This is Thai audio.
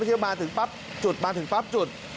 เที่ยวมาถึงปั๊บจุดมาถึงปั๊บจุด